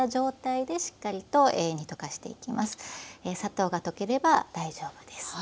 砂糖が溶ければ大丈夫ですね。